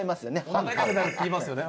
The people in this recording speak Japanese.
おなか痛くなるっていいますよね